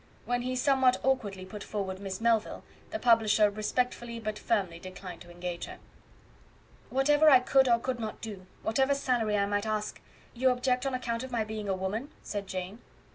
When he somewhat awkwardly put forward Miss Melville, the publisher respectfully but firmly declined to engage her. "Whatever I could or could not do whatever salary I might ask you object on account of my being a woman?" said Jane.